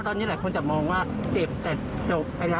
ตอนนี้หลายคนจะมองว่าเจ็บแต่จบ